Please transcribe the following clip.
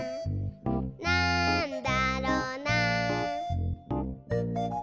「なんだろな？」